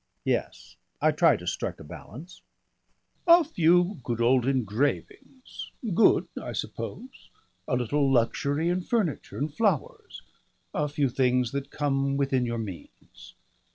Yes. I try to strike a balance." "A few old engravings good, I suppose a little luxury in furniture and flowers, a few things that come within your means.